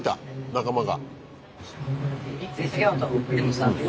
仲間が。